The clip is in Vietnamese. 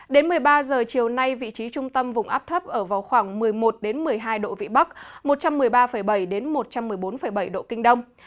đến một mươi ba h chiều nay vị trí trung tâm vùng áp thấp ở vào khoảng một mươi một một mươi hai độ vị bắc một trăm một mươi ba bảy một trăm một mươi bốn bảy độ kinh đông